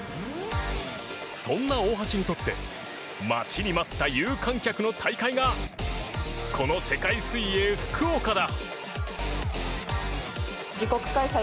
そんな大橋にとって待ちに待った有観客の大会がこの世界水泳福岡だ。